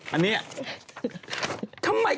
อันนี้